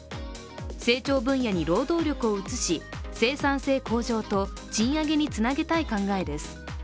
成長分野に労働力を移し、生産性向上と賃上げにつなげたい考えです。